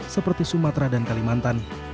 seperti sumatera dan kalimantan